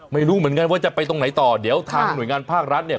ไม่รู้เหมือนกันว่าจะไปตรงไหนต่อเดี๋ยวทางหน่วยงานภาครัฐเนี่ย